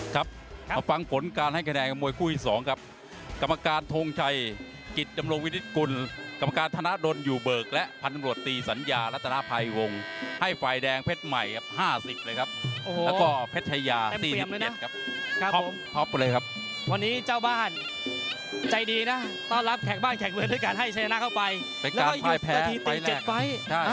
ครับมาฟังผลการให้คะแนนกับมวยคู่อีก๒ครับกรรมการโทงชัยกิจจำลงวินิศกุลกรรมการธนาดนอยู่เบิกและพันธุ์อำรวจตีสัญญารัฐนาภัยวงศ์ให้ไฟแดงเพชรใหม่๕๐เลยครับแล้วก็เพชรไชยา๔๗ครับครอบเลยครับวันนี้เจ้าบ้านใจดีนะต้อนรับแขกบ้านแขกเวิร์ดด้วยการให้ชาญนาเข้าไปแล้วก็หยุดกระทีตี